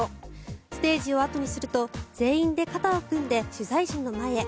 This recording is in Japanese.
ステージを後にすると全員で肩を組んで取材陣の前へ。